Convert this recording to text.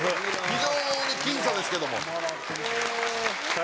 非常に僅差ですけども。